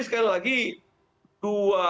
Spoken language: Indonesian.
sekali lagi dua